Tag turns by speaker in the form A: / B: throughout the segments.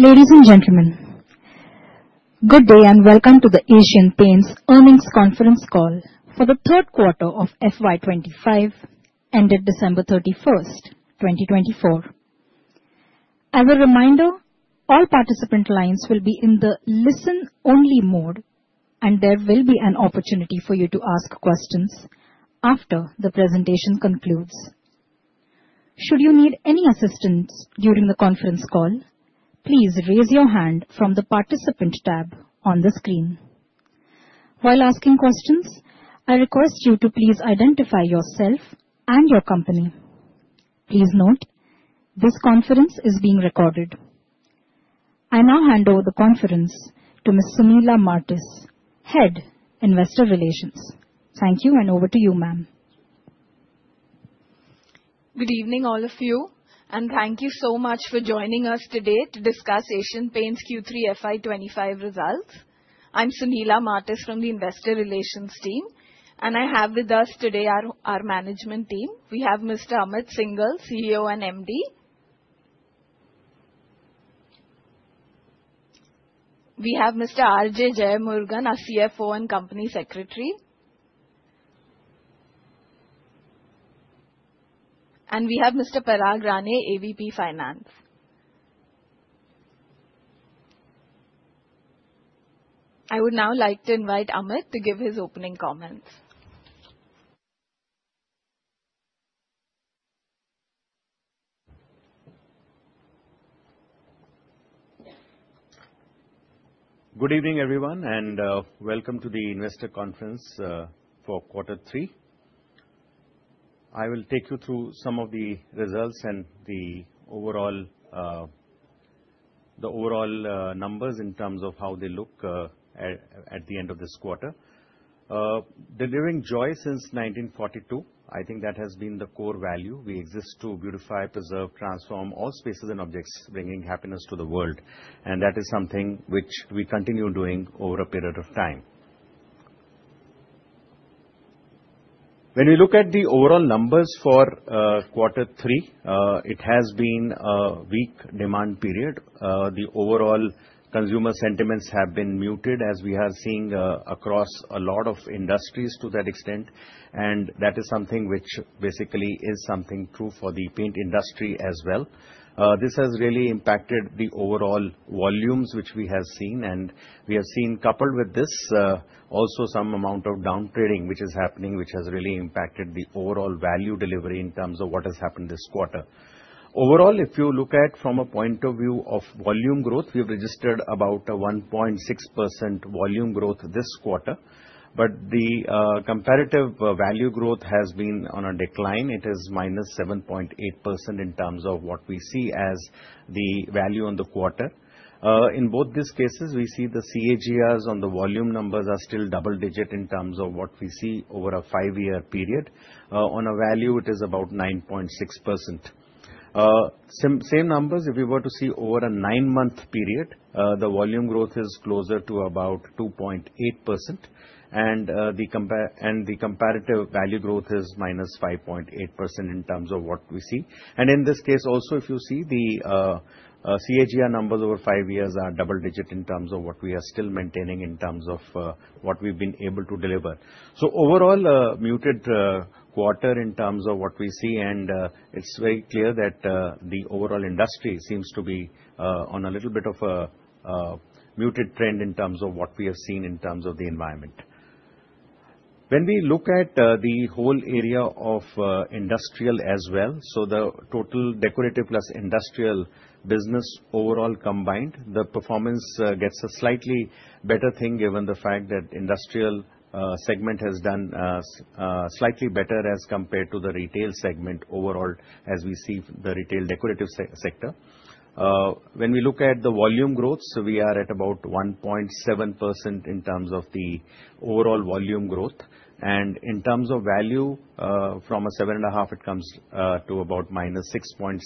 A: Ladies and gentlemen, good day and welcome to the Asian Paints Amit Syngle conference call for the third quarter of FY25, ended December 31, 2024. As a reminder, all participant lines will be in the listen-only mode, and there will be an opportunity for you to ask questions after the presentation concludes. Should you need any assistance during the conference call, please raise your hand from the participant tab on the screen. While asking questions, I request you to please identify yourself and your company. Please note, this conference is being recorded. I now hand over the conference to Ms. Sunila Martis, Head Investor Relations. Thank you, and over to you, ma'am.
B: Good evening, all of you, and thank you so much for joining us today to discuss Asian Paints Q3 FY25 results. I'm Sunila Martis from the Investor Relations team, and I have with us today our management team. We have Mr. Amit Syngle, CEO and MD. We have Mr. R.J. Jeyamurugan, our CFO and Company Secretary. And we have Mr. Parag Rane, AVP Finance. I would now like to invite Amit to give his opening comments.
C: Good evening, everyone, and welcome to the investor conference for quarter three. I will take you through some of the results and the overall numbers in terms of how they look at the end of this quarter. Delivering joy since 1942, I think that has been the core value. We exist to beautify, preserve, transform all spaces and objects, bringing happiness to the world. And that is something which we continue doing over a period of time. When we look at the overall numbers for quarter three, it has been a weak demand period. The overall consumer sentiments have been muted, as we are seeing across a lot of industries to that extent. And that is something which basically is something true for the paint industry as well. This has really impacted the overall volumes which we have seen. And we have seen, coupled with this, also some amount of downtrading which is happening, which has really impacted the overall value delivery in terms of what has happened this quarter. Overall, if you look at it from a point of view of volume growth, we have registered about a 1.6% volume growth this quarter. But the comparative value growth has been on a decline. It is minus 7.8% in terms of what we see as the value on the quarter. In both these cases, we see the CAGRs on the volume numbers are still double-digit in terms of what we see over a five-year period. On a value, it is about 9.6%. Same numbers, if we were to see over a nine-month period, the volume growth is closer to about 2.8%. And the comparative value growth is minus 5.8% in terms of what we see. In this case, also, if you see the CAGR numbers over five years are double-digit in terms of what we are still maintaining in terms of what we've been able to deliver. Overall, a muted quarter in terms of what we see. It's very clear that the overall industry seems to be on a little bit of a muted trend in terms of what we have seen in terms of the environment. When we look at the whole area of industrial as well, so the total decorative plus industrial business overall combined, the performance gets a slightly better thing given the fact that the industrial segment has done slightly better as compared to the retail segment overall, as we see the retail decorative sector. When we look at the volume growth, we are at about 1.7% in terms of the overall volume growth. And in terms of value, from 7.5, it comes to about -6.6%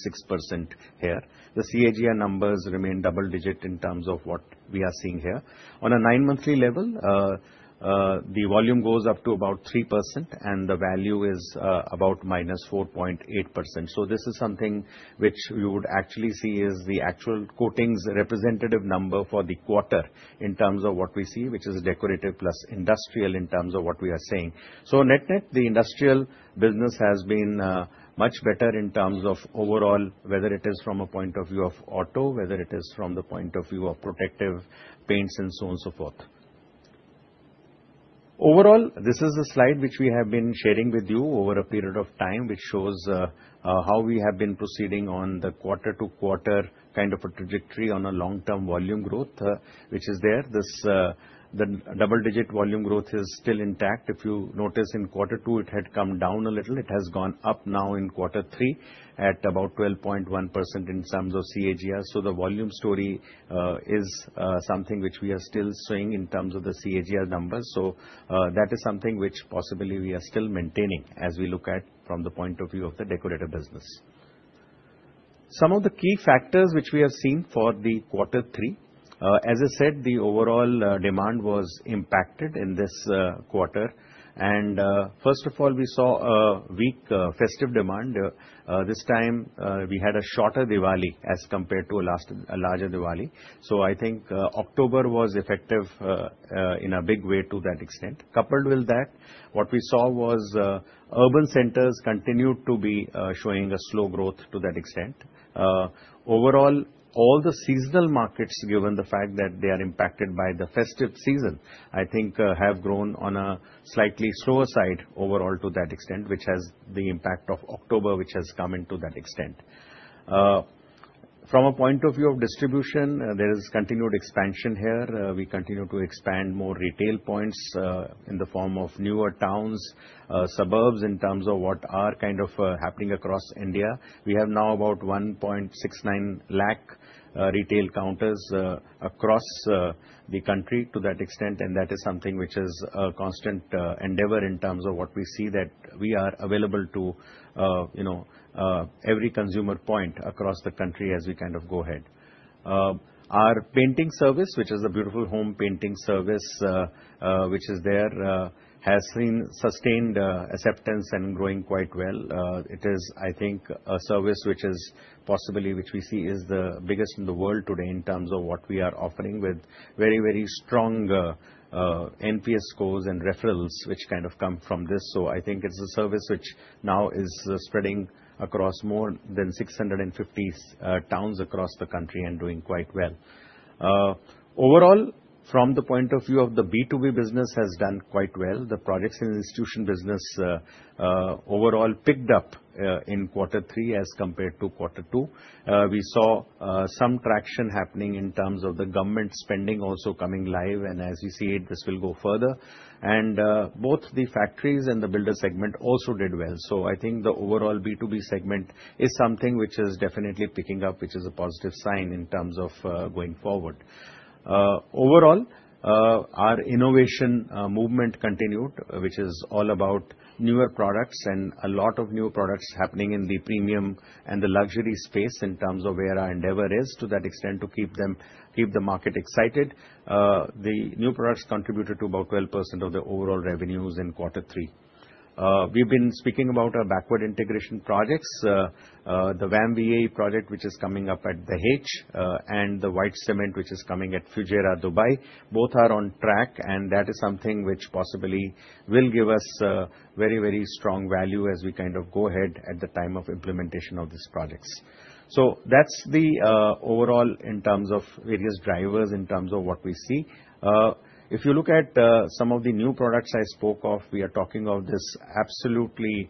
C: here. The CAGR numbers remain double-digit in terms of what we are seeing here. On a nine-monthly level, the volume goes up to about 3%, and the value is about -4.8%. So this is something which you would actually see is the actual coatings representative number for the quarter in terms of what we see, which is decorative plus industrial in terms of what we are seeing. So net-net, the industrial business has been much better in terms of overall, whether it is from a point of view of auto, whether it is from the point of view of protective paints and so on and so forth. Overall, this is a slide which we have been sharing with you over a period of time, which shows how we have been proceeding on the quarter-to-quarter kind of a trajectory on a long-term volume growth, which is there. The double-digit volume growth is still intact. If you notice in quarter two, it had come down a little. It has gone up now in quarter three at about 12.1% in terms of CAGR. So the volume story is something which we are still seeing in terms of the CAGR numbers. So that is something which possibly we are still maintaining as we look at from the point of view of the decorative business. Some of the key factors which we have seen for the quarter three, as I said, the overall demand was impacted in this quarter, and first of all, we saw a weak festive demand. This time, we had a shorter Diwali as compared to a larger Diwali. So I think October was affected in a big way to that extent. Coupled with that, what we saw was urban centers continued to be showing a slow growth to that extent. Overall, all the seasonal markets, given the fact that they are impacted by the festive season, I think have grown on a slightly slower side overall to that extent, which has the impact of October, which has come into that extent. From a point of view of distribution, there is continued expansion here. We continue to expand more retail points in the form of newer towns, suburbs in terms of what are kind of happening across India. We have now about 1.69 lakh retail counters across the country to that extent. And that is something which is a constant endeavor in terms of what we see that we are available to every consumer point across the country as we kind of go ahead. Our painting service, which is a Beautiful Homes painting service, which is there, has sustained acceptance and growing quite well. It is, I think, a service which is possibly which we see is the biggest in the world today in terms of what we are offering with very, very strong NPS scores and referrals which kind of come from this. So I think it's a service which now is spreading across more than 650 towns across the country and doing quite well. Overall, from the point of view of the B2B business, has done quite well. The projects and institutional business overall picked up in quarter three as compared to quarter two. We saw some traction happening in terms of the government spending also coming live, and as we see it, this will go further, and both the factories and the builder segment also did well, so I think the overall B2B segment is something which is definitely picking up, which is a positive sign in terms of going forward. Overall, our innovation movement continued, which is all about newer products and a lot of new products happening in the premium and the luxury space in terms of where our endeavor is to that extent to keep the market excited. The new products contributed to about 12% of the overall revenues in quarter three. We've been speaking about our backward integration projects, the VAM/VAE project, which is coming up at Dahej, and the white cement, which is coming at Fujairah, Dubai. Both are on track. That is something which possibly will give us very, very strong value as we kind of go ahead at the time of implementation of these projects. That's the overall in terms of various drivers in terms of what we see. If you look at some of the new products I spoke of, we are talking of this absolutely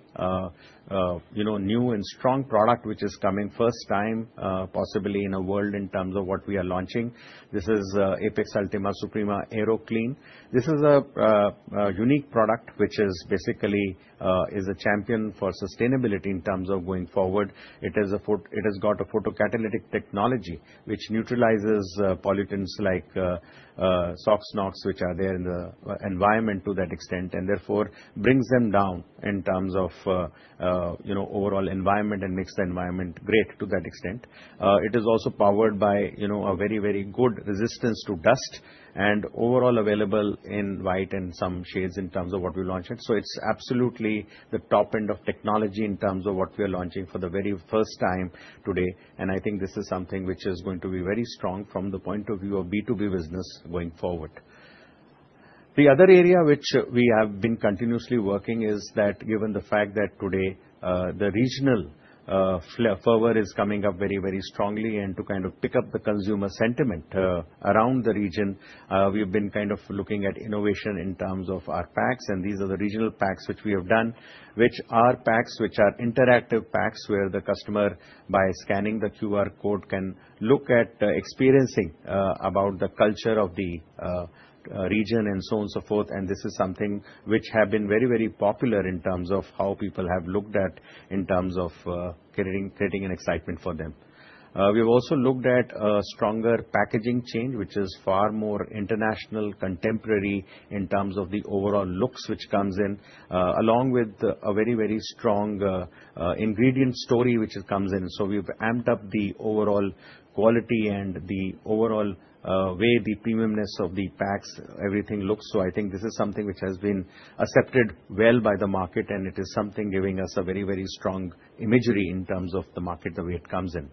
C: new and strong product, which is coming first time, possibly in a world in terms of what we are launching. This is Apex Ultima Suprema Aeroclean. This is a unique product, which basically is a champion for sustainability in terms of going forward. It has got a photocatalytic technology, which neutralizes pollutants like SOx and NOx, which are there in the environment to that extent, and therefore brings them down in terms of overall environment and makes the environment great to that extent. It is also powered by a very, very good resistance to dust and overall available in white and some shades in terms of what we launched. So it's absolutely the top end of technology in terms of what we are launching for the very first time today. And I think this is something which is going to be very strong from the point of view of B2B business going forward. The other area which we have been continuously working is that given the fact that today the regional flavor is coming up very, very strongly and to kind of pick up the consumer sentiment around the region, we have been kind of looking at innovation in terms of our packs. And these are the regional packs which we have done, which are packs which are interactive packs where the customer, by scanning the QR code, can look at experiencing about the culture of the region and so on and so forth. And this is something which has been very, very popular in terms of how people have looked at in terms of creating an excitement for them. We have also looked at a stronger packaging change, which is far more international, contemporary in terms of the overall looks, which comes in, along with a very, very strong ingredient story, which comes in. So we've amped up the overall quality and the overall way the premiumness of the packs, everything looks. So I think this is something which has been accepted well by the market. It is something giving us a very, very strong imagery in terms of the market, the way it comes in.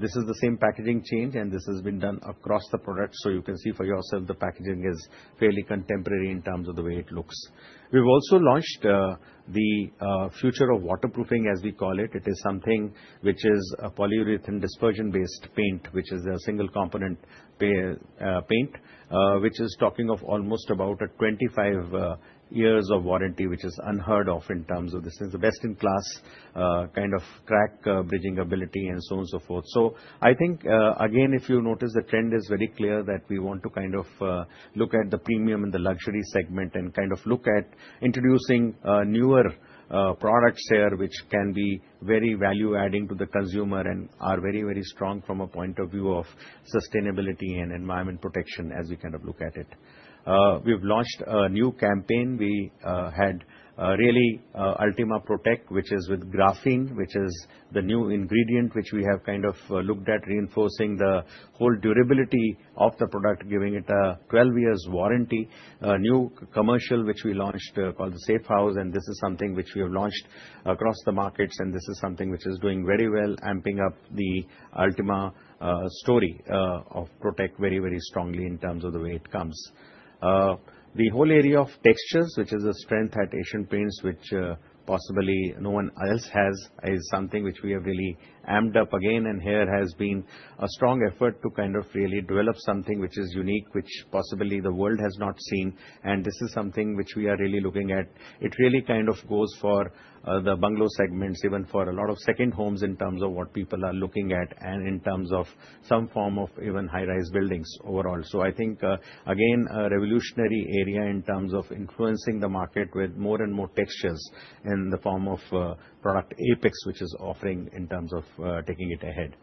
C: This is the same packaging change. And this has been done across the product. So you can see for yourself, the packaging is fairly contemporary in terms of the way it looks. We've also launched the future of waterproofing, as we call it. It is something which is a polyurethane dispersion-based paint, which is a single-component paint, which is talking of almost about 25 years of warranty, which is unheard of in terms of this is the best-in-class kind of crack bridging ability and so on and so forth. So I think, again, if you notice, the trend is very clear that we want to kind of look at the premium and the luxury segment and kind of look at introducing newer products here, which can be very value-adding to the consumer and are very, very strong from a point of view of sustainability and environment protection as we kind of look at it. We've launched a new campaign. We had really Ultima Protek, which is with graphene, which is the new ingredient which we have kind of looked at reinforcing the whole durability of the product, giving it a 12-year warranty. A new commercial which we launched called the Safe House. And this is something which we have launched across the markets. And this is something which is doing very well, amping up the Ultima story of Protek very, very strongly in terms of the way it comes. The whole area of textures, which is a strength at Asian Paints, which possibly no one else has, is something which we have really amped up again, and here has been a strong effort to kind of really develop something which is unique, which possibly the world has not seen, and this is something which we are really looking at. It really kind of goes for the bungalow segments, even for a lot of second homes in terms of what people are looking at and in terms of some form of even high-rise buildings overall, so I think, again, a revolutionary area in terms of influencing the market with more and more textures in the form of product Apex, which is offering in terms of taking it ahead.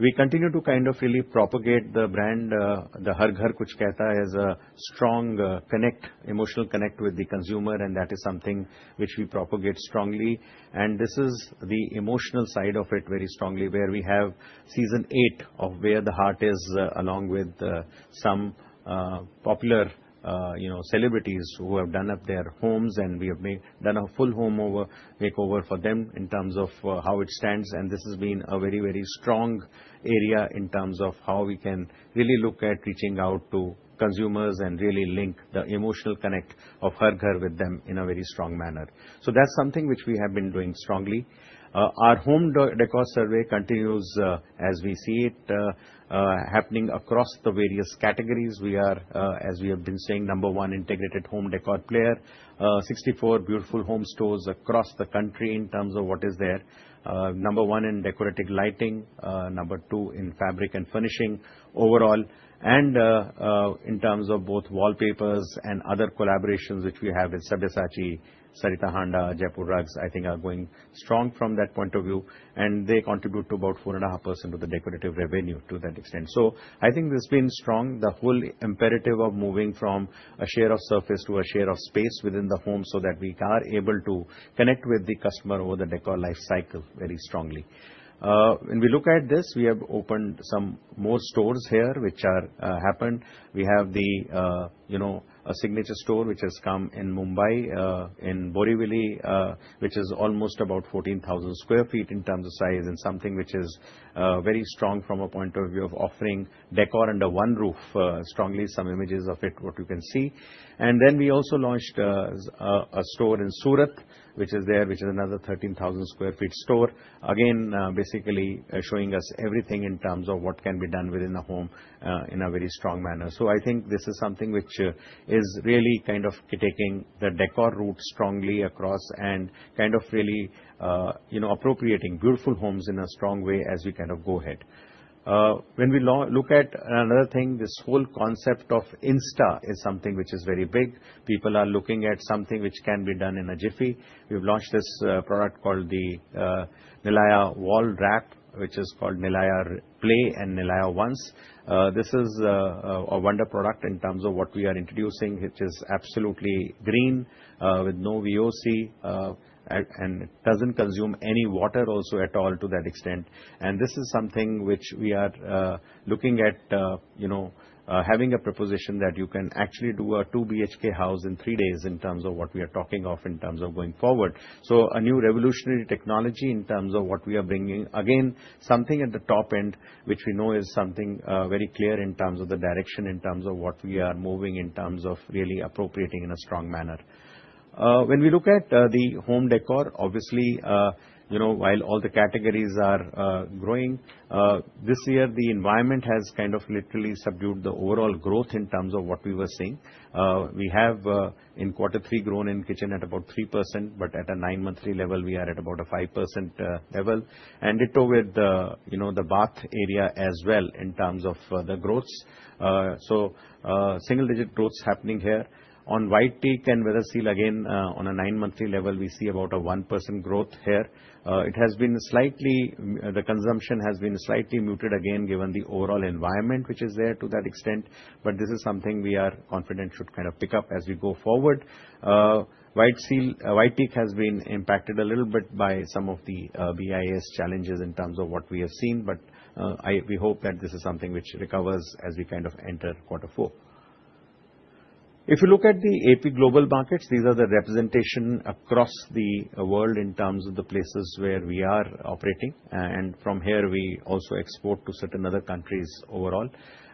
C: We continue to kind of really propagate the brand, the Har Ghar Kuch Kehta Hai, as a strong connect, emotional connect with the consumer, and that is something which we propagate strongly. This is the emotional side of it very strongly, where we have season eight of Where The Heart Is, along with some popular celebrities who have done up their homes, and we have done a full home makeover for them in terms of how it stands. This has been a very, very strong area in terms of how we can really look at reaching out to consumers and really link the emotional connect of Har Ghar with them in a very strong manner. That's something which we have been doing strongly. Our home decor survey continues, as we see it, happening across the various categories. We are, as we have been saying, number one integrated home decor player, 64 Beautiful Homes stores across the country in terms of what is there, number one in decorative lighting, number two in fabric and furnishing overall, and in terms of both wallpapers and other collaborations which we have with Sabyasachi, Sarita Handa, Jaipur Rugs. I think they are going strong from that point of view, and they contribute to about 4.5% of the decorative revenue to that extent. So I think this has been strong, the whole imperative of moving from a share of surface to a share of space within the home so that we are able to connect with the customer over the decor life cycle very strongly. When we look at this, we have opened some more stores here, which have happened. We have a signature store which has come in Mumbai, in Borivali, which is almost about 14,000 sq ft in terms of size and something which is very strong from a point of view of offering decor under one roof strongly, some images of it, what you can see, and then we also launched a store in Surat, which is there, which is another 13,000 sq ft store, again, basically showing us everything in terms of what can be done within the home in a very strong manner, so I think this is something which is really kind of taking the decor route strongly across and kind of really appropriating Beautiful Homes in a strong way as we kind of go ahead. When we look at another thing, this whole concept of Insta is something which is very big. People are looking at something which can be done in a jiffy. We've launched this product called the Nilaya Wall Wrap, which is called Nilaya Play and Nilaya Once. This is a wonder product in terms of what we are introducing, which is absolutely green with no VOC, and it doesn't consume any water also at all to that extent. And this is something which we are looking at having a proposition that you can actually do a 2BHK house in three days in terms of what we are talking of in terms of going forward. So a new revolutionary technology in terms of what we are bringing, again, something at the top end, which we know is something very clear in terms of the direction, in terms of what we are moving in terms of really appropriating in a strong manner. When we look at the home decor, obviously, while all the categories are growing, this year, the environment has kind of literally subdued the overall growth in terms of what we were seeing. We have, in quarter three, grown in kitchen at about 3%, but at a nine-monthly level, we are at about a 5% level, and it took with the bath area as well in terms of the growths, so single-digit growths happening here. On White Teak and Weatherseal, again, on a nine-monthly level, we see about a 1% growth here. It has been slightly, the consumption has been slightly muted again, given the overall environment which is there to that extent, but this is something we are confident should kind of pick up as we go forward. White Teak has been impacted a little bit by some of the BIS challenges in terms of what we have seen. But we hope that this is something which recovers as we kind of enter quarter four. If you look at the AP Global markets, these are the representation across the world in terms of the places where we are operating. And from here, we also export to certain other countries overall.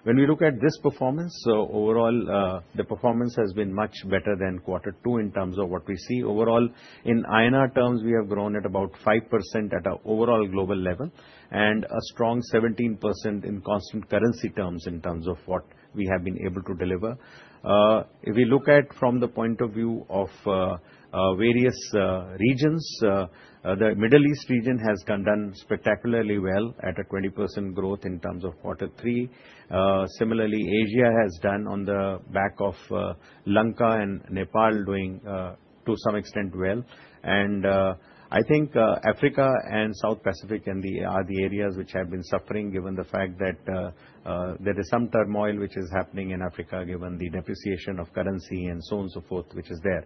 C: When we look at this performance, so overall, the performance has been much better than quarter two in terms of what we see. Overall, in INR terms, we have grown at about 5% at our overall global level and a strong 17% in constant currency terms in terms of what we have been able to deliver. If we look at from the point of view of various regions, the Middle East region has done spectacularly well at a 20% growth in terms of quarter three. Similarly, Asia has done on the back of Lanka and Nepal doing to some extent well. And I think Africa and South Pacific are the areas which have been suffering, given the fact that there is some turmoil which is happening in Africa, given the depreciation of currency and so on and so forth, which is there.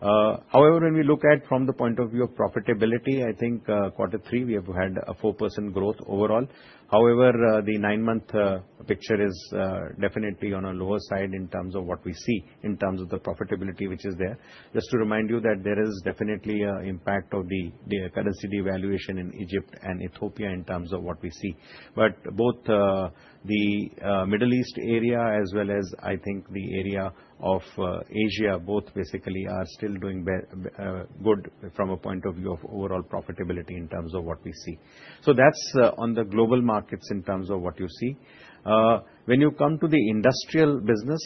C: However, when we look at from the point of view of profitability, I think quarter three, we have had a 4% growth overall. However, the nine-month picture is definitely on a lower side in terms of what we see in terms of the profitability which is there. Just to remind you that there is definitely an impact of the currency devaluation in Egypt and Ethiopia in terms of what we see. But both the Middle East area, as well as I think the area of Asia, both basically are still doing good from a point of view of overall profitability in terms of what we see. So that's on the global markets in terms of what you see. When you come to the industrial business,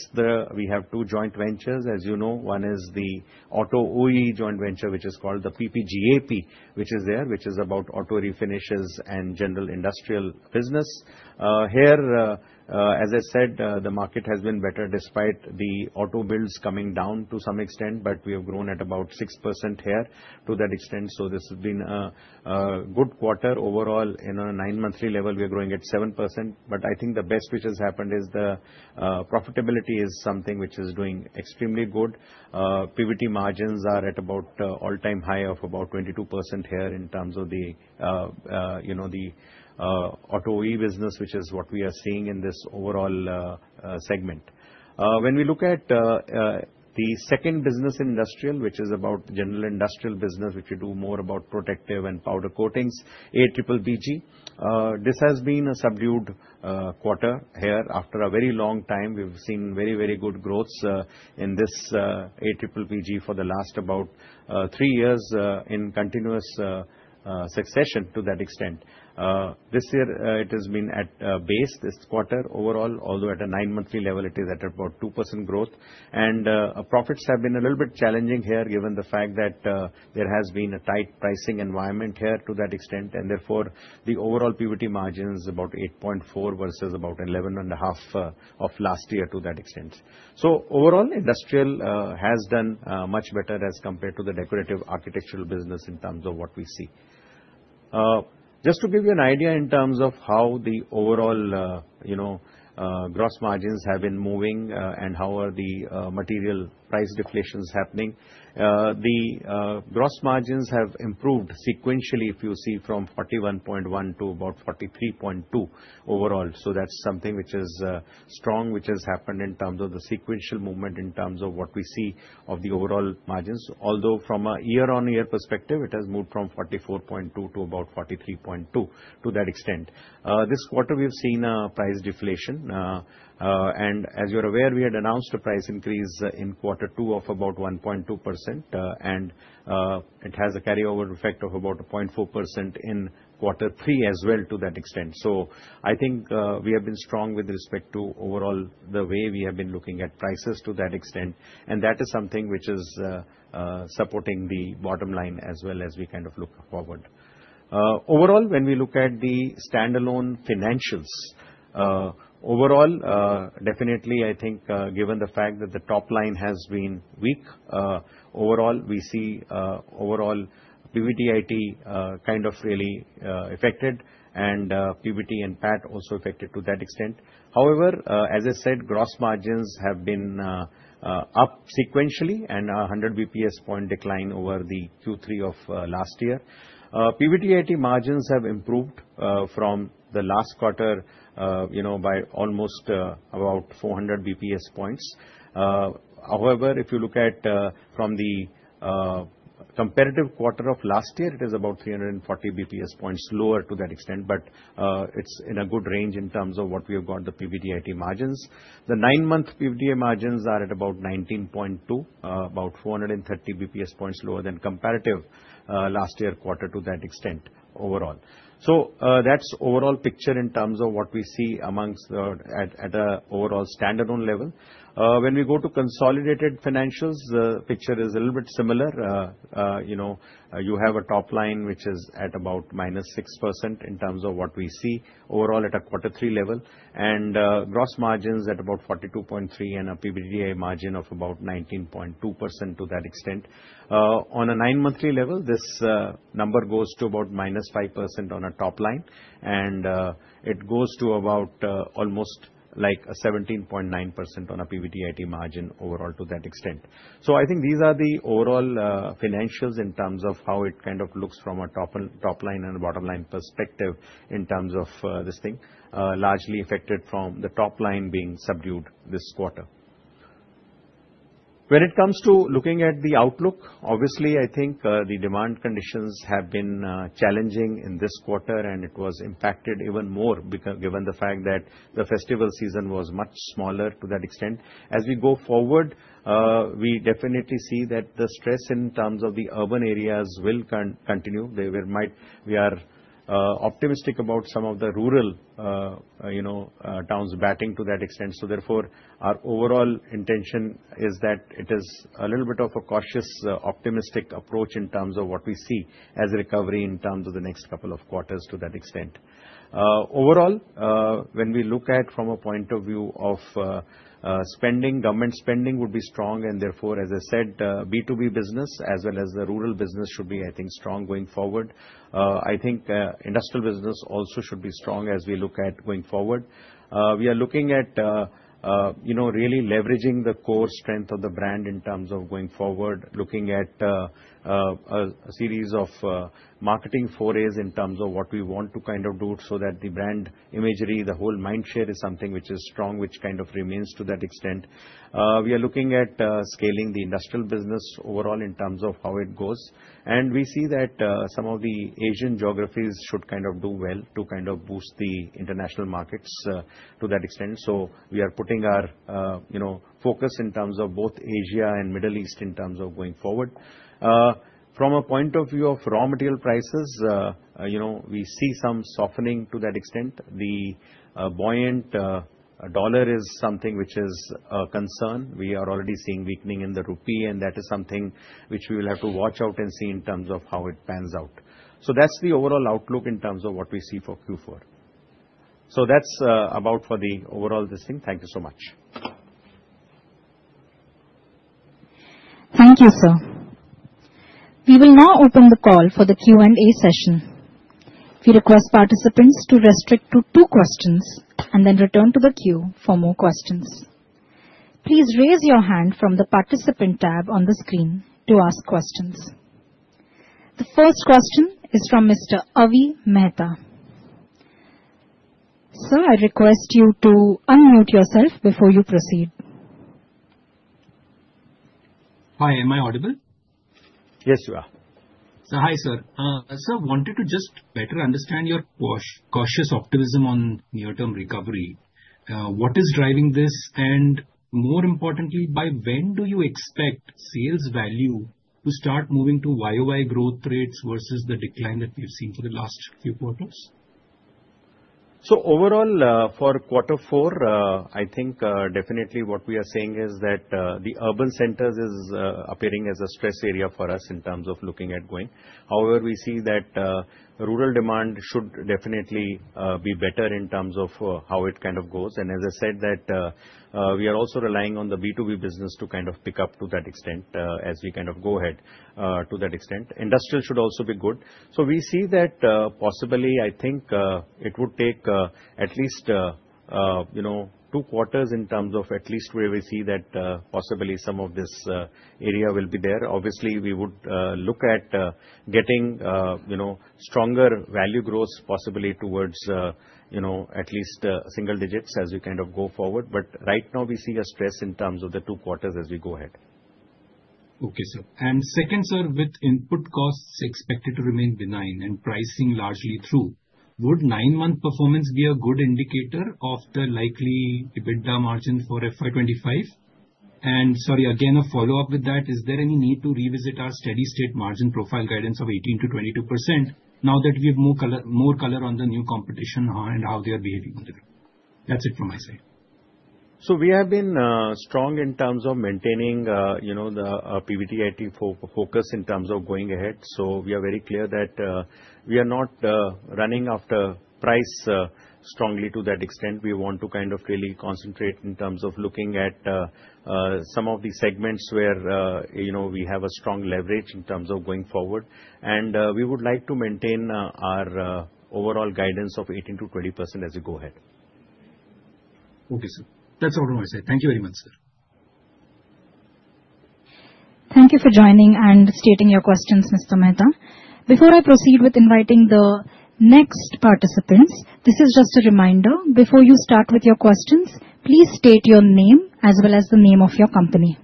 C: we have two joint ventures, as you know. One is the auto OE joint venture, which is called the PPGAP, which is there, which is about auto refinishes and general industrial business. Here, as I said, the market has been better despite the auto builds coming down to some extent. But we have grown at about 6% here to that extent. So this has been a good quarter overall. On a nine-monthly level, we are growing at 7%. But I think the best which has happened is the profitability is something which is doing extremely good. PBIT margins are at about all-time high of about 22% here in terms of the auto OE business, which is what we are seeing in this overall segment. When we look at the second business industrial, which is about general industrial business, which we do more about protective and powder coatings, APPPG, this has been a subdued quarter here after a very long time. We've seen very, very good growths in this APPPG for the last about three years in continuous succession to that extent. This year, it has been at base this quarter overall. Although at a nine-monthly level, it is at about 2% growth. And profits have been a little bit challenging here, given the fact that there has been a tight pricing environment here to that extent. And therefore, the overall PBIT margin is about 8.4% versus about 11.5% of last year to that extent. So overall, industrial has done much better as compared to the decorative architectural business in terms of what we see. Just to give you an idea in terms of how the overall gross margins have been moving and how are the material price deflations happening, the gross margins have improved sequentially, if you see, from 41.1% to about 43.2% overall. So that's something which is strong, which has happened in terms of the sequential movement in terms of what we see of the overall margins. Although from a year-on-year perspective, it has moved from 44.2% to about 43.2% to that extent. This quarter, we've seen a price deflation, and as you're aware, we had announced a price increase in quarter two of about 1.2%, and it has a carryover effect of about 0.4% in quarter three as well to that extent, so I think we have been strong with respect to overall the way we have been looking at prices to that extent, and that is something which is supporting the bottom line as well as we kind of look forward. Overall, when we look at the standalone financials, overall, definitely, I think, given the fact that the top line has been weak, overall, we see overall PBIT kind of really affected and PBIT and PAT also affected to that extent. However, as I said, gross margins have been up sequentially and a 100 basis point decline over the Q3 of last year. PBIT margins have improved from the last quarter by almost about 400 basis points. However, if you look at from the comparative quarter of last year, it is about 340 basis points lower to that extent. But it's in a good range in terms of what we have got the PBIT margins. The nine-month PBIT margins are at about 19.2, about 430 basis points lower than comparative last year quarter to that extent overall. So that's overall picture in terms of what we see amongst at an overall standalone level. When we go to consolidated financials, the picture is a little bit similar. You have a top line which is at about minus 6% in terms of what we see overall at a quarter three level and gross margins at about 42.3 and a PBIT margin of about 19.2% to that extent. On a nine-monthly level, this number goes to about -5% on a top line, and it goes to about almost like a 17.9% on a PBIT margin overall to that extent, so I think these are the overall financials in terms of how it kind of looks from a top line and bottom line perspective in terms of this thing, largely affected from the top line being subdued this quarter. When it comes to looking at the outlook, obviously, I think the demand conditions have been challenging in this quarter, and it was impacted even more given the fact that the festival season was much smaller to that extent. As we go forward, we definitely see that the stress in terms of the urban areas will continue. We are optimistic about some of the rural towns batting to that extent. So therefore, our overall intention is that it is a little bit of a cautious optimistic approach in terms of what we see as recovery in terms of the next couple of quarters to that extent. Overall, when we look at from a point of view of spending, government spending would be strong, and therefore, as I said, B2B business as well as the rural business should be, I think, strong going forward. I think industrial business also should be strong as we look at going forward. We are looking at really leveraging the core strength of the brand in terms of going forward, looking at a series of marketing forays in terms of what we want to kind of do so that the brand imagery, the whole mind share is something which is strong, which kind of remains to that extent. We are looking at scaling the industrial business overall in terms of how it goes. And we see that some of the Asian geographies should kind of do well to kind of boost the international markets to that extent. So we are putting our focus in terms of both Asia and Middle East in terms of going forward. From a point of view of raw material prices, we see some softening to that extent. The buoyant dollar is something which is a concern. We are already seeing weakening in the rupee. And that is something which we will have to watch out and see in terms of how it pans out. So that's the overall outlook in terms of what we see for Q4. So that's about for the overall this thing. Thank you so much.
A: Thank you, sir. We will now open the call for the Q&A session. We request participants to restrict to two questions and then return to the queue for more questions. Please raise your hand from the participant tab on the screen to ask questions. The first question is from Mr. Avi Mehta. Sir, I request you to unmute yourself before you proceed.
D: Hi, am I audible?
C: Yes, you are.
D: Hi, sir. Sir, I wanted to just better understand your cautious optimism on near-term recovery. What is driving this? And more importantly, by when do you expect sales value to start moving to YOY growth rates versus the decline that we've seen for the last few quarters?
C: So, overall, for quarter four, I think definitely what we are seeing is that the urban centers is appearing as a stress area for us in terms of looking at going. However, we see that rural demand should definitely be better in terms of how it kind of goes. And as I said, that we are also relying on the B2B business to kind of pick up to that extent as we kind of go ahead to that extent. Industrial should also be good. So we see that possibly, I think it would take at least two quarters in terms of at least where we see that possibly some of this area will be there. Obviously, we would look at getting stronger value growth, possibly towards at least single digits as we kind of go forward. But right now, we see a stress in terms of the two quarters as we go ahead.
D: Okay, sir. And second, sir, with input costs expected to remain benign and pricing largely through, would nine-month performance be a good indicator of the likely EBITDA margin for FY25? And sorry, again, a follow-up with that, is there any need to revisit our steady-state margin profile guidance of 18%-22% now that we have more color on the new competition and how they are behaving? That's it from my side.
C: So we have been strong in terms of maintaining the PBIT focus in terms of going ahead. So we are very clear that we are not running after price strongly to that extent. We want to kind of really concentrate in terms of looking at some of the segments where we have a strong leverage in terms of going forward. And we would like to maintain our overall guidance of 18%-20% as we go ahead.
D: Okay, sir. That's all from my side. Thank you very much, sir.
A: Thank you for joining and stating your questions, Mr. Mehta. Before I proceed with inviting the next participants, this is just a reminder. Before you start with your questions, please state your name as well as the name of your company.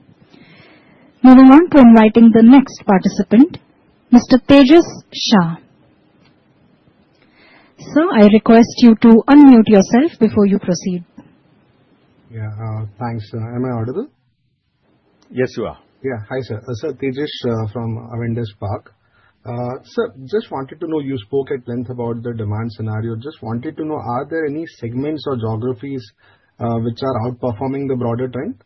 A: Moving on to inviting the next participant, Mr. Tejas Shah. Sir, I request you to unmute yourself before you proceed.
E: Yeah, thanks, sir. Am I audible?
C: Yes, you are.
E: Yeah, hi, sir. Sir, Tejas from Avendus Spark. Sir, just wanted to know, you spoke at length about the demand scenario. Just wanted to know, are there any segments or geographies which are outperforming the broader trend?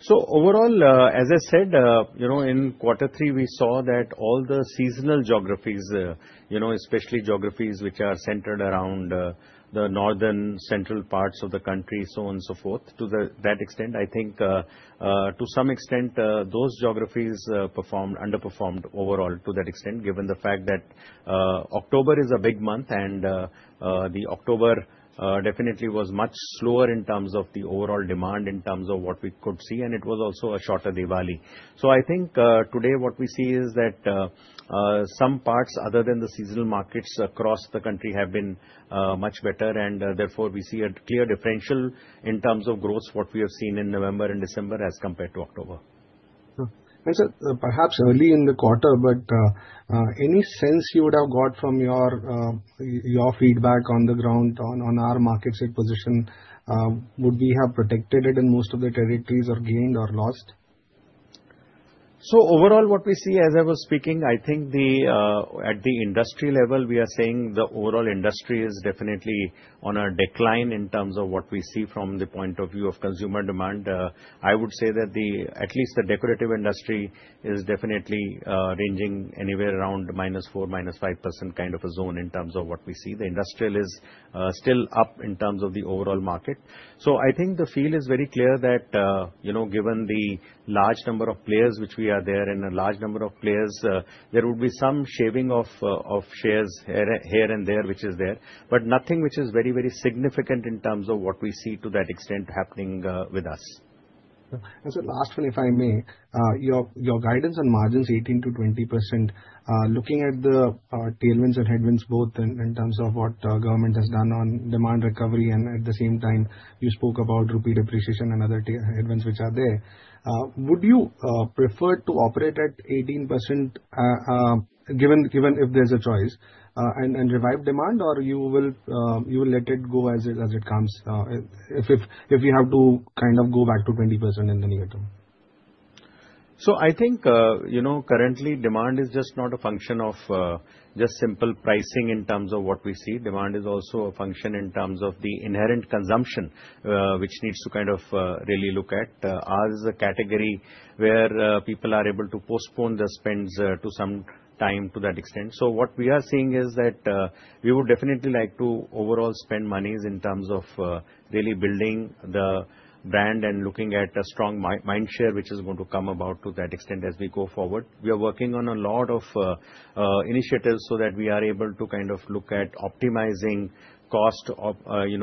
C: So overall, as I said, in quarter three, we saw that all the seasonal geographies, especially geographies which are centered around the northern central parts of the country, so on and so forth, to that extent. I think to some extent, those geographies underperformed overall to that extent, given the fact that October is a big month. And the October definitely was much slower in terms of the overall demand in terms of what we could see. And it was also a shorter Diwali. So I think today what we see is that some parts other than the seasonal markets across the country have been much better. And therefore, we see a clear differential in terms of growth, what we have seen in November and December as compared to October.
E: Sir, perhaps early in the quarter, but any sense you would have got from your feedback on the ground on our markets' position, would we have protected it in most of the territories or gained or lost?
C: So overall, what we see as I was speaking, I think at the industry level, we are seeing the overall industry is definitely on a decline in terms of what we see from the point of view of consumer demand. I would say that at least the decorative industry is definitely ranging anywhere around -4% to -5% kind of a zone in terms of what we see. The industrial is still up in terms of the overall market. So I think the feel is very clear that given the large number of players which are there, there would be some shaving of shares here and there which is there, but nothing which is very, very significant in terms of what we see to that extent happening with us.
E: Sir, lastly, if I may, your guidance on margins 18%-20%, looking at the tailwinds and headwinds both in terms of what government has done on demand recovery. At the same time, you spoke about rupee depreciation and other headwinds which are there. Would you prefer to operate at 18% given if there's a choice and revive demand, or you will let it go as it comes if you have to kind of go back to 20% in the near term?
C: So I think currently, demand is just not a function of just simple pricing in terms of what we see. Demand is also a function in terms of the inherent consumption which needs to kind of really look at as a category where people are able to postpone the spends to some time to that extent. So what we are seeing is that we would definitely like to overall spend monies in terms of really building the brand and looking at a strong mind share which is going to come about to that extent as we go forward. We are working on a lot of initiatives so that we are able to kind of look at optimizing cost,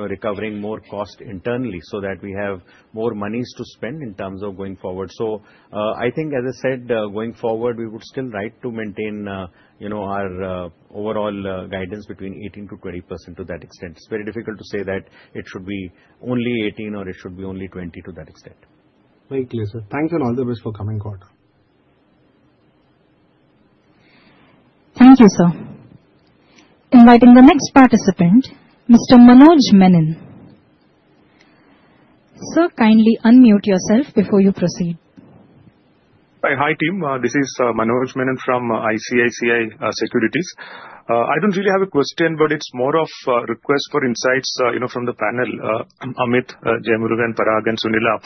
C: recovering more cost internally so that we have more monies to spend in terms of going forward. So I think, as I said, going forward, we would still like to maintain our overall guidance between 18%-20% to that extent. It's very difficult to say that it should be only 18% or it should be only 20% to that extent. Very clear, sir. Thank you and all the best for coming quarter.
A: Thank you, sir. Inviting the next participant, Mr. Manoj Menon. Sir, kindly unmute yourself before you proceed.
F: Hi, team. This is Manoj Menon from ICICI Securities. I don't really have a question, but it's more of a request for insights from the panel, Amit, Jeyamurugan, Parag, and Sunila.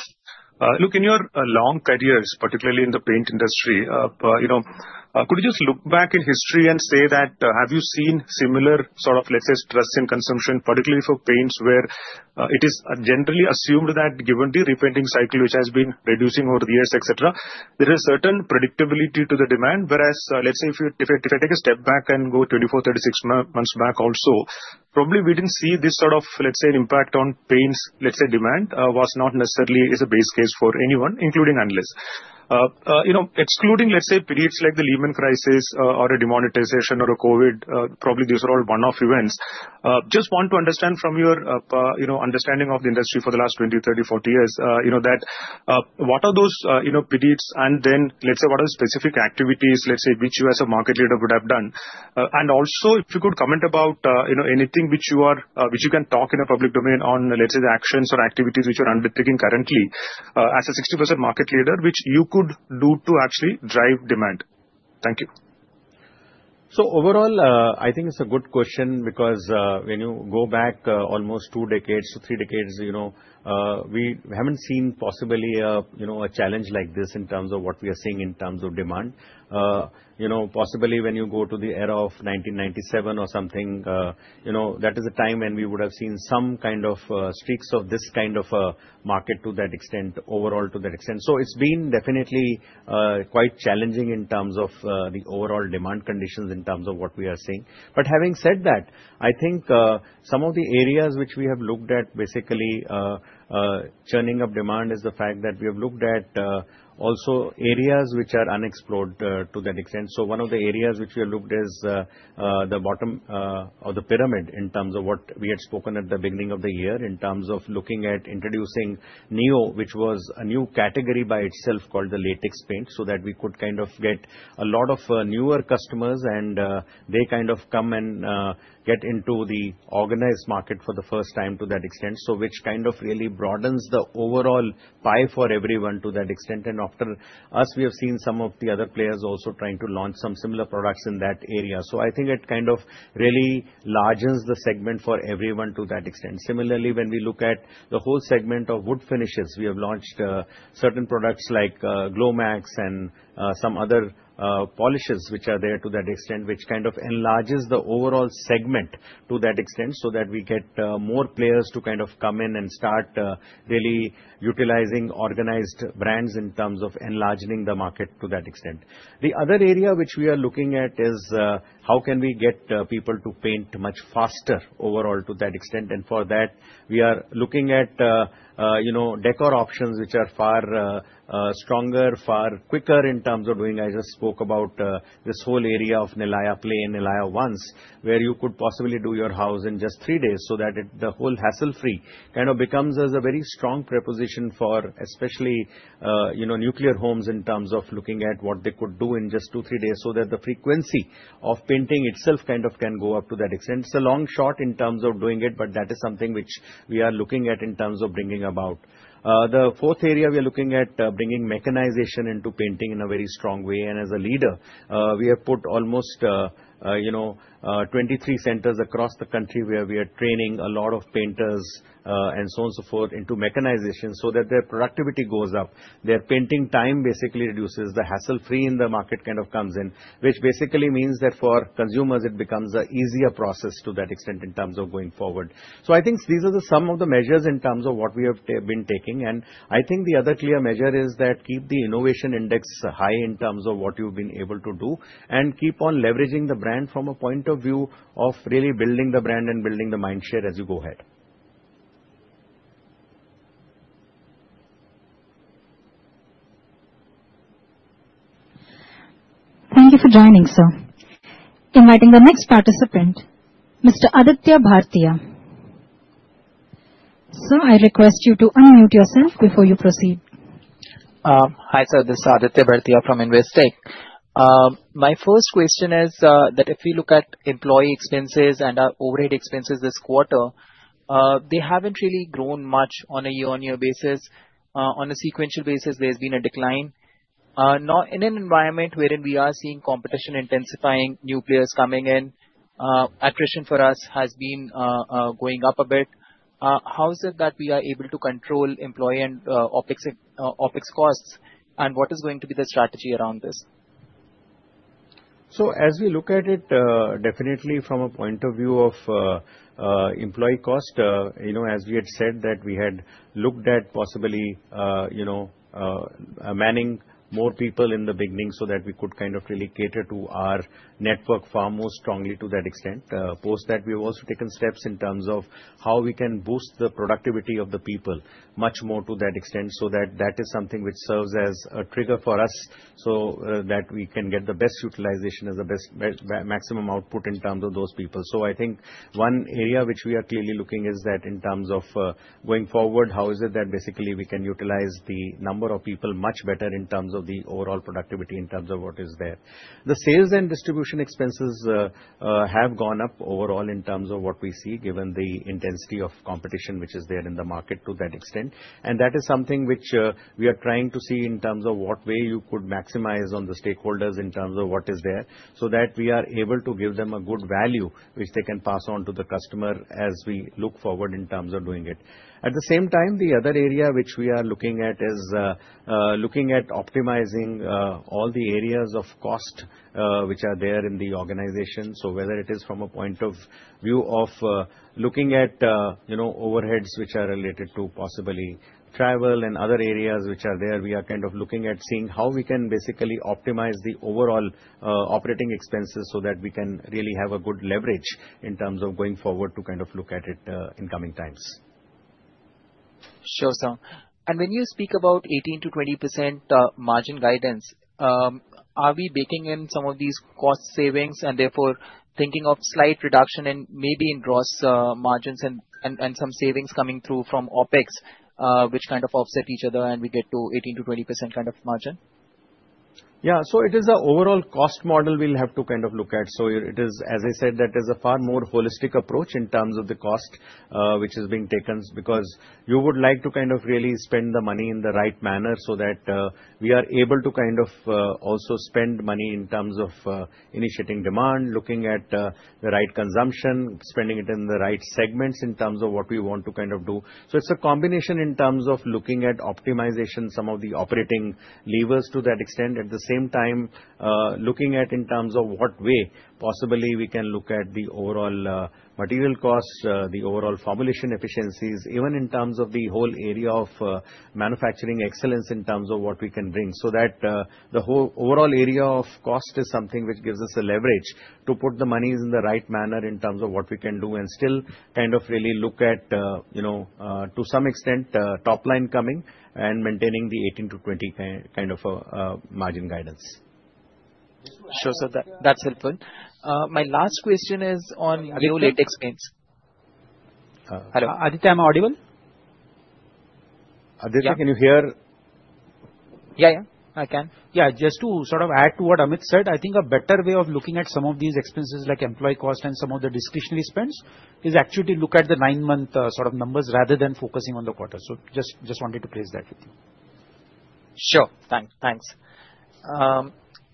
F: Look, in your long careers, particularly in the paint industry, could you just look back in history and say that have you seen similar sort of, let's say, stress in consumption, particularly for paints where it is generally assumed that given the repainting cycle which has been reducing over the years, et cetera, there is a certain predictability to the demand? Whereas, let's say, if I take a step back and go 24, 36 months back also, probably we didn't see this sort of, let's say, impact on paints, let's say, demand was not necessarily a base case for anyone, including analysts. Excluding, let's say, periods like the Lehman crisis or a demonetization or a COVID, probably these are all one-off events. Just want to understand from your understanding of the industry for the last 20, 30, 40 years that what are those periods? And then, let's say, what are the specific activities, let's say, which you as a market leader would have done? And also, if you could comment about anything which you can talk in a public domain on, let's say, the actions or activities which you're undertaking currently as a 60% market leader, which you could do to actually drive demand? Thank you.
C: So overall, I think it's a good question because when you go back almost two decades to three decades, we haven't seen possibly a challenge like this in terms of what we are seeing in terms of demand. Possibly when you go to the era of 1997 or something, that is a time when we would have seen some kind of streaks of this kind of market to that extent, overall to that extent. So it's been definitely quite challenging in terms of the overall demand conditions in terms of what we are seeing. But having said that, I think some of the areas which we have looked at, basically churning up demand, is the fact that we have looked at also areas which are unexplored to that extent. So one of the areas which we have looked at is the bottom of the pyramid in terms of what we had spoken at the beginning of the year in terms of looking at introducing Neo, which was a new category by itself called the latex paint, so that we could kind of get a lot of newer customers. And they kind of come and get into the organized market for the first time to that extent, which kind of really broadens the overall pie for everyone to that extent. And after us, we have seen some of the other players also trying to launch some similar products in that area. So I think it kind of really enlargens the segment for everyone to that extent. Similarly, when we look at the whole segment of wood finishes, we have launched certain products like GloMaxx and some other polishes which are there to that extent, which kind of enlarges the overall segment to that extent so that we get more players to kind of come in and start really utilizing organized brands in terms of enlarging the market to that extent. The other area which we are looking at is how can we get people to paint much faster overall to that extent? And for that, we are looking at decor options which are far stronger, far quicker in terms of doing. I just spoke about this whole area of Nilaya Play, Nilaya Once, where you could possibly do your house in just three days so that the whole hassle-free kind of becomes a very strong proposition for especially nuclear homes in terms of looking at what they could do in just two, three days so that the frequency of painting itself kind of can go up to that extent. It's a long shot in terms of doing it, but that is something which we are looking at in terms of bringing about. The fourth area we are looking at bringing mechanization into painting in a very strong way, and as a leader, we have put almost 23 centers across the country where we are training a lot of painters and so on and so forth into mechanization so that their productivity goes up. Their painting time basically reduces. The hassle-free in the market kind of comes in, which basically means that for consumers, it becomes an easier process to that extent in terms of going forward, so I think these are some of the measures in terms of what we have been taking, and I think the other clear measure is that keep the innovation index high in terms of what you've been able to do and keep on leveraging the brand from a point of view of really building the brand and building the mind share as you go ahead.
A: Thank you for joining, sir. Inviting the next participant, Mr. Aditya Bhartiya. Sir, I request you to unmute yourself before you proceed.
G: Hi, sir. This is Aditya Bhartiya from Investec. My first question is that if we look at employee expenses and our overhead expenses this quarter, they haven't really grown much on a year-on-year basis. On a sequential basis, there has been a decline. In an environment wherein we are seeing competition intensifying, new players coming in, attrition for us has been going up a bit. How is it that we are able to control employee and OpEx costs? And what is going to be the strategy around this?
C: So as we look at it, definitely from a point of view of employee cost, as we had said that we had looked at possibly manning more people in the beginning so that we could kind of really cater to our network far more strongly to that extent. Post that, we have also taken steps in terms of how we can boost the productivity of the people much more to that extent so that that is something which serves as a trigger for us so that we can get the best utilization as a maximum output in terms of those people. So I think one area which we are clearly looking is that in terms of going forward, how is it that basically we can utilize the number of people much better in terms of the overall productivity in terms of what is there. The sales and distribution expenses have gone up overall in terms of what we see given the intensity of competition which is there in the market to that extent, and that is something which we are trying to see in terms of what way you could maximize on the stakeholders in terms of what is there so that we are able to give them a good value which they can pass on to the customer as we look forward in terms of doing it. At the same time, the other area which we are looking at is looking at optimizing all the areas of cost which are there in the organization. Whether it is from a point of view of looking at overheads which are related to possibly travel and other areas which are there, we are kind of looking at seeing how we can basically optimize the overall operating expenses so that we can really have a good leverage in terms of going forward to kind of look at it in coming times.
G: Sure, sir. And when you speak about 18%-20% margin guidance, are we baking in some of these cost savings and therefore thinking of slight reduction and maybe in gross margins and some savings coming through from OpEx, which kind of offset each other and we get to 18%-20% kind of margin?
C: Yeah. So it is an overall cost model we'll have to kind of look at. So it is, as I said, that is a far more holistic approach in terms of the cost which is being taken because you would like to kind of really spend the money in the right manner so that we are able to kind of also spend money in terms of initiating demand, looking at the right consumption, spending it in the right segments in terms of what we want to kind of do. So it's a combination in terms of looking at optimization, some of the operating levers to that extent. At the same time, looking at in terms of what way possibly we can look at the overall material cost, the overall formulation efficiencies, even in terms of the whole area of manufacturing excellence in terms of what we can bring. So that the whole overall area of cost is something which gives us a leverage to put the monies in the right manner in terms of what we can do and still kind of really look at to some extent top line coming and maintaining the 18%-20% kind of margin guidance.
G: Sure, sir. That's helpful. My last question is on Neo latex paints. Hello?
C: Aditya, am I audible? Aditya, can you hear?
G: Just to sort of add to what Amit said, I think a better way of looking at some of these expenses like employee cost and some of the discretionary spends is actually to look at the nine-month sort of numbers rather than focusing on the quarter. So just wanted to place that with you. Sure. Thanks.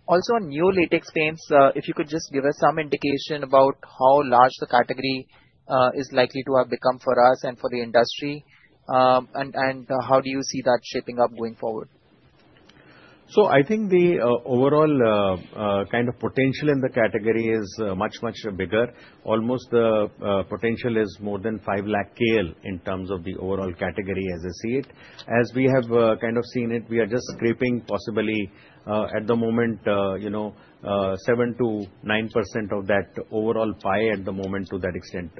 G: Also on new latex paints, if you could just give us some indication about how large the category is likely to have become for us and for the industry, and how do you see that shaping up going forward?
C: I think the overall kind of potential in the category is much, much bigger. Almost the potential is more than 5 lakh KL in terms of the overall category as I see it. As we have kind of seen it, we are just scraping possibly at the moment 7%-9% of that overall pie at the moment to that extent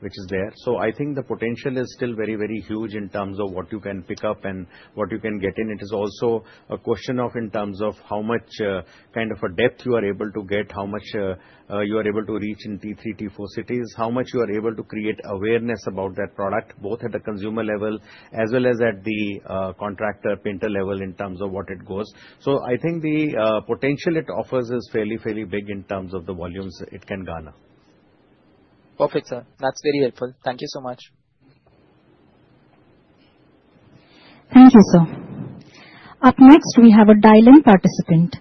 C: which is there. I think the potential is still very, very huge in terms of what you can pick up and what you can get in. It is also a question of in terms of how much kind of a depth you are able to get, how much you are able to reach in T3, T4 cities, how much you are able to create awareness about that product both at the consumer level as well as at the contractor painter level in terms of what it goes. So I think the potential it offers is fairly, fairly big in terms of the volumes it can garner.
G: Perfect, sir. That's very helpful. Thank you so much.
A: Thank you, sir. Up next, we have a dial-in participant.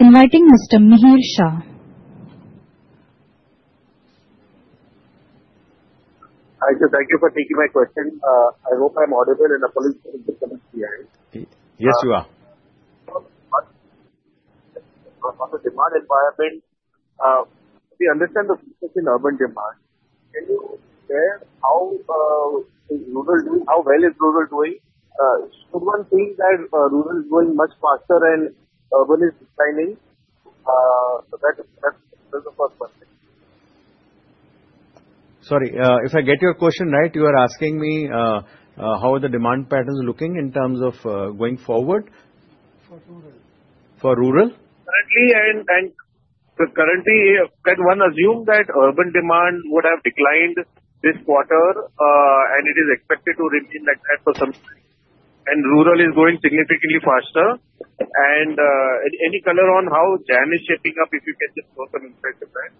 A: Inviting Mr. Mihir Shah.
H: Thank you. Thank you for taking my question. I hope I'm audible and I'm able to connect there.
C: Yes, you are.
H: On the demand environment, we understand the difference in urban demand. Can you share how well is rural doing? Should one think that rural is going much faster and urban is declining? That's the first question.
C: Sorry. If I get your question right, you are asking me how the demand pattern is looking in terms of going forward?
H: For rural.
C: For rural?
H: Currently, can one assume that urban demand would have declined this quarter and it is expected to remain like that for some time? And rural is going significantly faster. And any color on how jan is shaping up if you can just show some insight to that?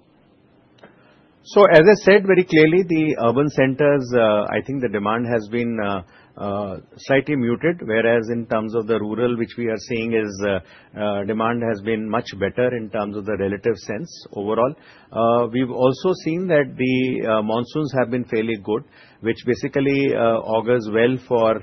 C: So as I said very clearly, the urban centers, I think the demand has been slightly muted, whereas in terms of the rural, which we are seeing, demand has been much better in terms of the relative sense overall. We've also seen that the monsoons have been fairly good, which basically augurs well for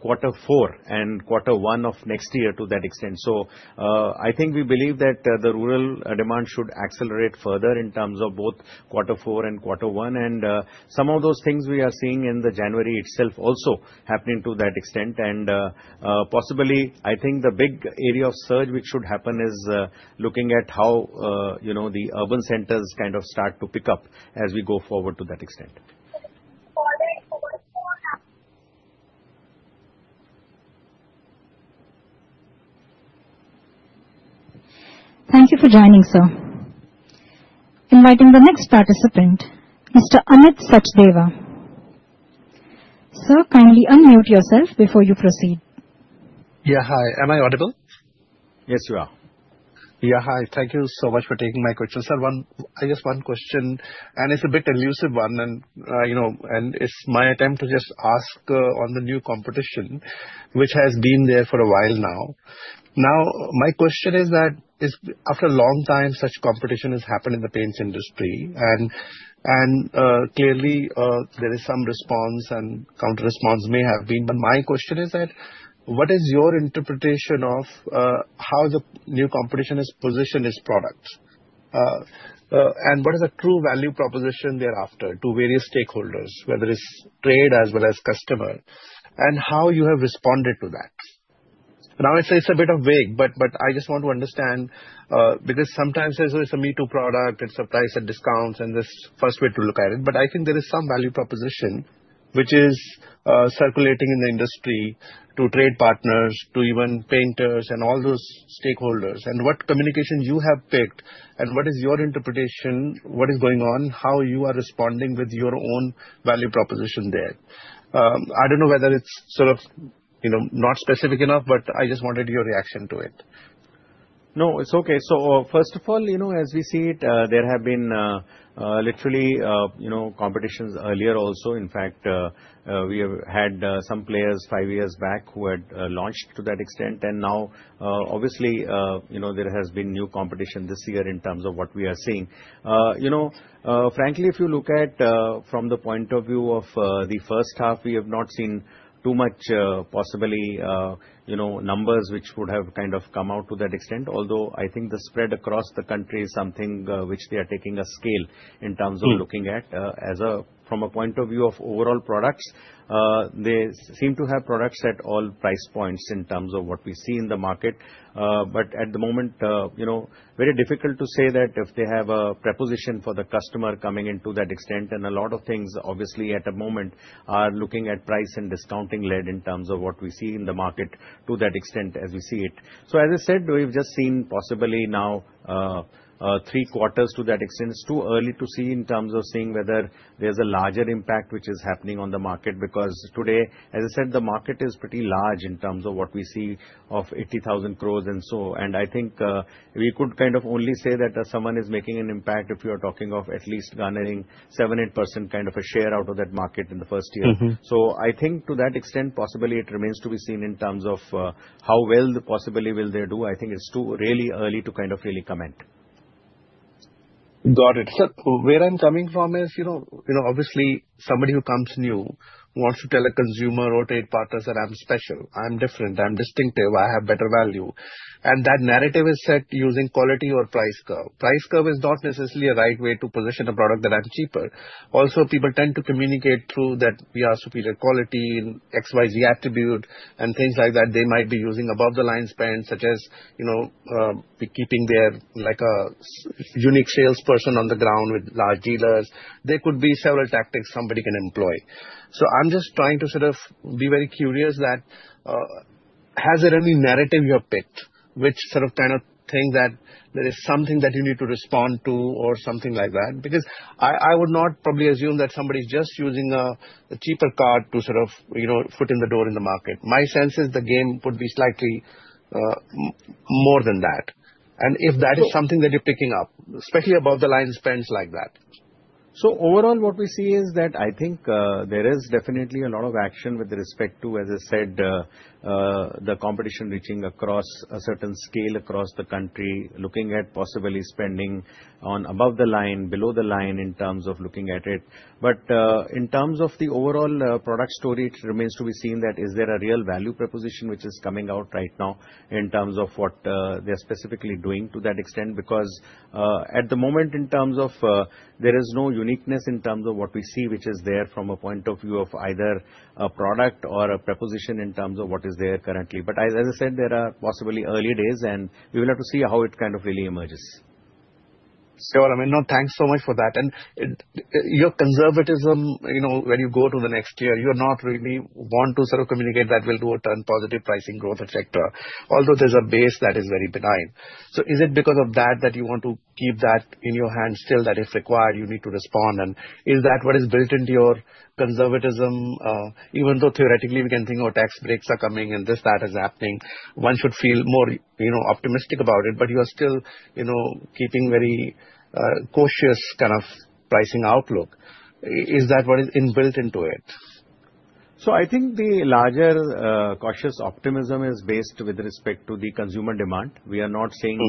C: quarter four and quarter one of next year to that extent. So I think we believe that the rural demand should accelerate further in terms of both quarter four and quarter one. And some of those things we are seeing in the January itself also happening to that extent. And possibly, I think the big area of surge which should happen is looking at how the urban centers kind of start to pick up as we go forward to that extent.
A: Thank you for joining, sir. Inviting the next participant, Mr. Amit Sachdeva. Sir, kindly unmute yourself before you proceed.
I: Yeah, hi. Am I audible?
C: Yes, you are.
I: Yeah, hi. Thank you so much for taking my question. Sir, I just have one question, and it's a bit elusive one. And it's my attempt to just ask on the new competition, which has been there for a while now. Now, my question is that after a long time, such competition has happened in the paints industry. And clearly, there is some response and counter-response may have been. My question is that what is your interpretation of how the new competition has positioned its product? And what is the true value proposition thereafter to various stakeholders, whether it's trade as well as customer? And how you have responded to that? Now, it's a bit vague, but I just want to understand because sometimes it's a me-too product. It's a price and discounts and this first way to look at it. But I think there is some value proposition which is circulating in the industry to trade partners, to even painters and all those stakeholders. And what communication you have picked and what is your interpretation, what is going on, how you are responding with your own value proposition there? I don't know whether it's sort of not specific enough, but I just wanted your reaction to it.
C: No, it's okay. So first of all, as we see it, there have been literally competitions earlier also. In fact, we have had some players five years back who had launched to that extent. And now, obviously, there has been new competition this year in terms of what we are seeing. Frankly, if you look at from the point of view of the first half, we have not seen too much possibly numbers which would have kind of come out to that extent. Although I think the spread across the country is something which they are taking scale in terms of looking at. From a point of view of overall products, they seem to have products at all price points in terms of what we see in the market. But at the moment, very difficult to say that if they have a proposition for the customer coming into that extent. And a lot of things, obviously, at the moment are looking at price and discounting-led in terms of what we see in the market to that extent as we see it. So as I said, we've just seen possibly now three quarters to that extent. It's too early to see in terms of seeing whether there's a larger impact which is happening on the market because today, as I said, the market is pretty large in terms of what we see of 80,000 crores, and I think we could kind of only say that someone is making an impact if you are talking of at least garnering 7%, 8% kind of a share out of that market in the first year, so I think to that extent, possibly it remains to be seen in terms of how well possibly will they do. I think it's too really early to kind of really comment.
I: Got it. So where I'm coming from is obviously somebody who comes new wants to tell a consumer or trade partners that I'm special, I'm different, I'm distinctive, I have better value. And that narrative is set using quality or price curve. Price curve is not necessarily a right way to position a product that I'm cheaper. Also, people tend to communicate through that we are superior quality in XYZ attribute and things like that. They might be using above-the-line spend such as keeping their unique salesperson on the ground with large dealers. There could be several tactics somebody can employ. So I'm just trying to sort of be very curious that has there any narrative you have picked which sort of kind of thing that there is something that you need to respond to or something like that? Because I would not probably assume that somebody is just using a cheaper card to sort of foot in the door in the market. My sense is the game would be slightly more than that. And if that is something that you're picking up, especially above-the-line spends like that.
C: So overall, what we see is that I think there is definitely a lot of action with respect to, as I said, the competition reaching across a certain scale across the country, looking at possibly spending on above the line, below the line in terms of looking at it. But in terms of the overall product story, it remains to be seen that is there a real value proposition which is coming out right now in terms of what they're specifically doing to that extent? Because at the moment, in terms of there is no uniqueness in terms of what we see which is there from a point of view of either a product or a proposition in terms of what is there currently. But as I said, there are possibly early days, and we will have to see how it kind of really emerges.
I: Sure. I mean, no, thanks so much for that. And your conservatism, when you go to the next year, you're not really want to sort of communicate that we'll do a turn positive pricing growth, etc. Although there's a base that is very benign. So is it because of that that you want to keep that in your hand still that if required, you need to respond? And is that what is built into your conservatism? Even though theoretically we can think of tax breaks are coming and this, that is happening, one should feel more optimistic about it, but you are still keeping very cautious kind of pricing outlook. Is that what is built into it?
C: So I think the larger cautious optimism is based with respect to the consumer demand. We are not seeing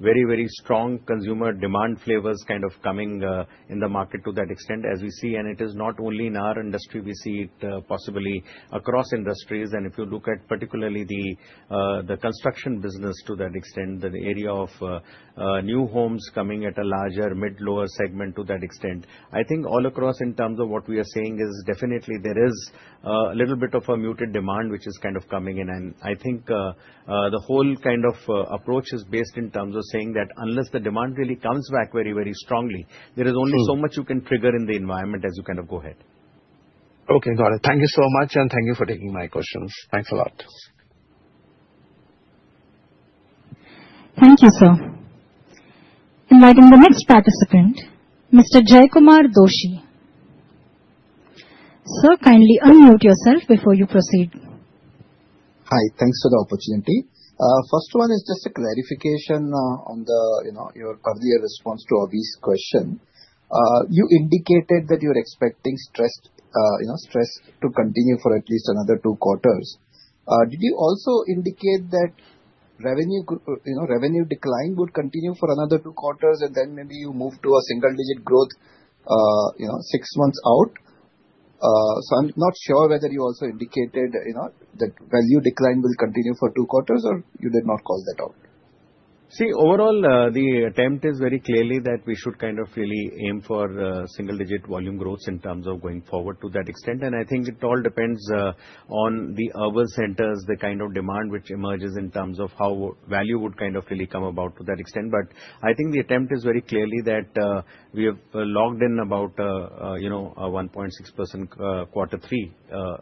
C: very, very strong consumer demand levers kind of coming in the market to that extent as we see. And it is not only in our industry. We see it possibly across industries. And if you look at particularly the construction business to that extent, the area of new homes coming at a larger mid-lower segment to that extent, I think all across in terms of what we are seeing is definitely there is a little bit of a muted demand which is kind of coming in. And I think the whole kind of approach is based in terms of saying that unless the demand really comes back very, very strongly, there is only so much you can trigger in the environment as you kind of go ahead.
I: Okay. Got it. Thank you so much, and thank you for taking my questions. Thanks a lot.
A: Thank you, sir. Inviting the next participant, Mr. Jaykumar Doshi. Sir, kindly unmute yourself before you proceed.
J: Hi. Thanks for the opportunity. First one is just a clarification on your earlier response to Abhi's question. You indicated that you're expecting stress to continue for at least another two quarters. Did you also indicate that revenue decline would continue for another two quarters and then maybe you move to a single-digit growth six months out? So I'm not sure whether you also indicated that value decline will continue for two quarters or you did not call that out.
C: See, overall, the attempt is very clearly that we should kind of really aim for single-digit volume growth in terms of going forward to that extent. And I think it all depends on the urban centers, the kind of demand which emerges in terms of how value would kind of really come about to that extent. But I think the attempt is very clearly that we have logged in about a 1.6% quarter three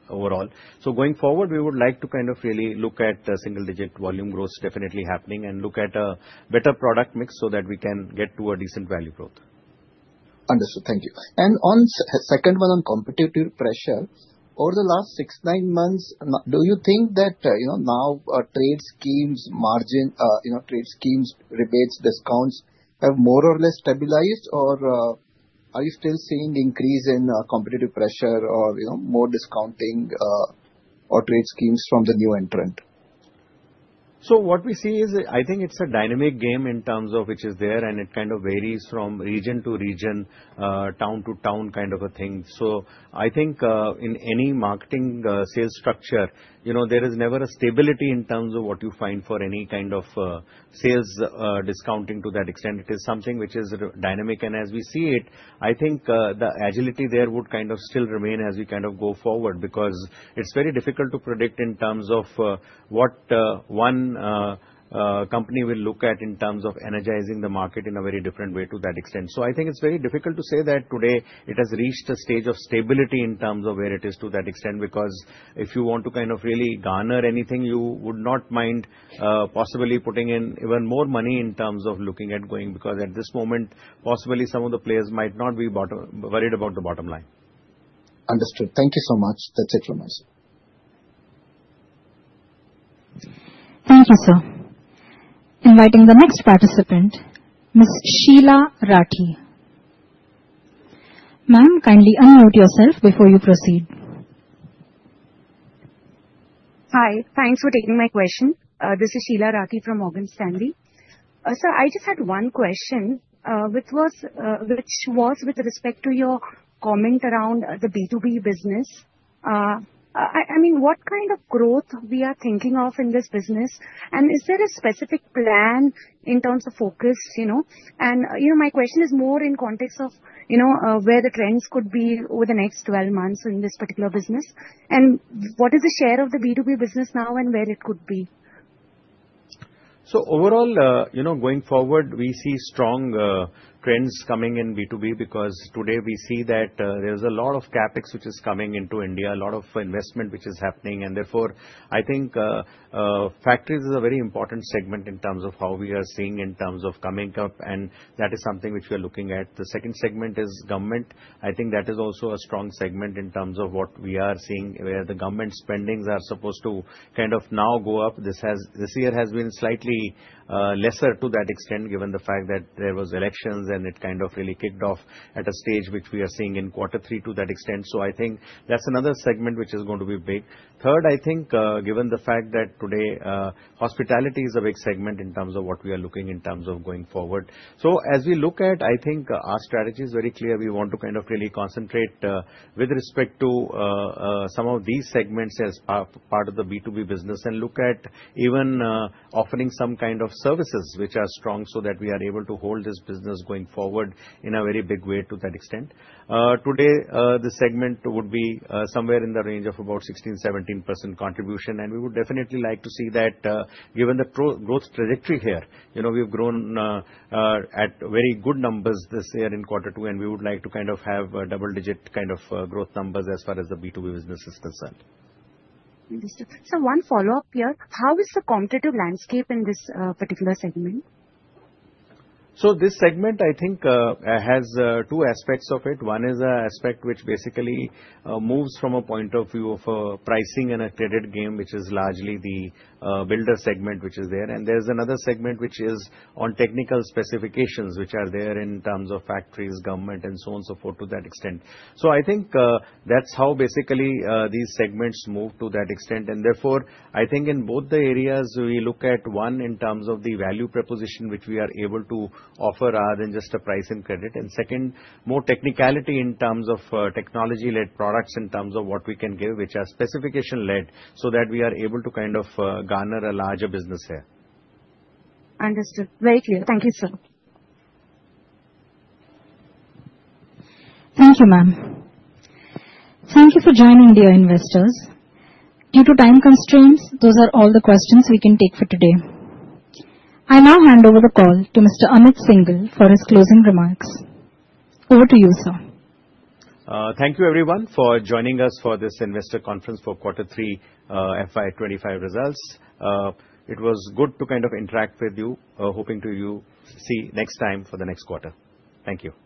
C: overall. So going forward, we would like to kind of really look at single-digit volume growth definitely happening and look at a better product mix so that we can get to a decent value growth.
J: Understood. Thank you. And on the second one on competitive pressure, over the last six-nine months, do you think that now trade schemes, margin, trade schemes, rebates, discounts have more or less stabilized or are you still seeing increase in competitive pressure or more discounting or trade schemes from the new entrant?
C: So what we see is I think it's a dynamic game in terms of which is there and it kind of varies from region to region, town to town kind of a thing. So I think in any marketing sales structure, there is never a stability in terms of what you find for any kind of sales discounting to that extent. It is something which is dynamic. And as we see it, I think the agility there would kind of still remain as we kind of go forward because it's very difficult to predict in terms of what one company will look at in terms of energizing the market in a very different way to that extent. So, I think it's very difficult to say that today it has reached a stage of stability in terms of where it is to that extent because if you want to kind of really garner anything, you would not mind possibly putting in even more money in terms of looking at going because at this moment, possibly some of the players might not be worried about the bottom line.
J: Understood. Thank you so much. That's it from my side.
A: Thank you, sir. Inviting the next participant, Ms. Sheela Rathi. Ma'am, kindly unmute yourself before you proceed.
K: Hi. Thanks for taking my question. This is Sheela Rathi from Morgan Stanley. Sir, I just had one question, which was with respect to your comment around the B2B business. I mean, what kind of growth we are thinking of in this business? And is there a specific plan in terms of focus? And my question is more in context of where the trends could be over the next 12 months in this particular business. And what is the share of the B2B business now and where it could be?
C: So overall, going forward, we see strong trends coming in B2B because today we see that there's a lot of CapEx which is coming into India, a lot of investment which is happening. And therefore, I think factories is a very important segment in terms of how we are seeing in terms of coming up. And that is something which we are looking at. The second segment is government. I think that is also a strong segment in terms of what we are seeing where the government spendings are supposed to kind of now go up. This year has been slightly lesser to that extent given the fact that there were elections and it kind of really kicked off at a stage which we are seeing in quarter three to that extent. So I think that's another segment which is going to be big. Third, I think given the fact that today hospitality is a big segment in terms of what we are looking in terms of going forward, so as we look at, I think our strategy is very clear. We want to kind of really concentrate with respect to some of these segments as part of the B2B business and look at even offering some kind of services which are strong so that we are able to hold this business going forward in a very big way to that extent. Today, the segment would be somewhere in the range of about 16%-17% contribution, and we would definitely like to see that given the growth trajectory here. We have grown at very good numbers this year in quarter two, and we would like to kind of have double-digit kind of growth numbers as far as the B2B business is concerned.
K: Understood. So one follow-up here. How is the competitive landscape in this particular segment?
C: So this segment, I think, has two aspects of it. One is an aspect which basically moves from a point of view of pricing and a credit game, which is largely the builder segment which is there. And there's another segment which is on technical specifications which are there in terms of factories, government, and so on and so forth to that extent. So I think that's how basically these segments move to that extent. And therefore, I think in both the areas, we look at one in terms of the value proposition which we are able to offer rather than just a price and credit. And second, more technicality in terms of technology-led products in terms of what we can give, which are specification-led so that we are able to kind of garner a larger business here.
K: Understood. Very clear. Thank you, sir.
A: Thank you, ma'am. Thank you for joining, dear investors. Due to time constraints, those are all the questions we can take for today. I now hand over the call to Mr. Amit Syngle for his closing remarks. Over to you, sir.
C: Thank you, everyone, for joining us for this investor conference for quarter three FY25 results. It was good to kind of interact with you. Hoping to see you next time for the next quarter. Thank you.